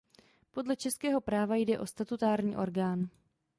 Podle českého práva jde o statutární orgán.